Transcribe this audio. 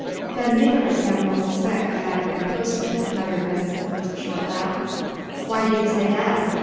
"Then neither of them will suspect that I've been posted," muttered Benson, with a short laugh. "Why do you say that?"